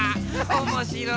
おもしろい！